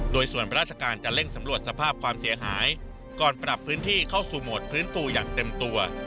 โดยส่วนราชการจะเร่งสำรวจสภาพความเสียหายก่อนปรับพื้นที่เข้าสู่โหมดฟื้นฟูอย่างเต็มตัว